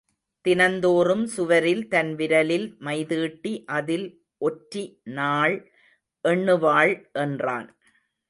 தினந்தோறும் சுவரில் தன் விரலில் மைதீட்டி அதில் ஒற்றி நாள் எண்ணுவாள் என்றான்.